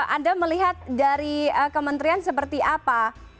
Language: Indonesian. anda melihat dari kementerian seperti apa